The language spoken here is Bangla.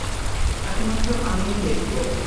একমাত্র আমিই দেখবো।